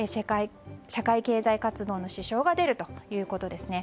社会経済活動の支障が出るということですね。